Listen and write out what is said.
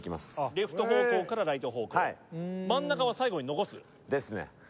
レフト方向からライト方向はい真ん中は最後に残す？ですね